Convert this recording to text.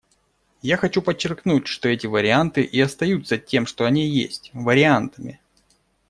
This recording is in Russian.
Я хочу подчеркнуть, что эти варианты и остаются тем, что они есть, − вариантами.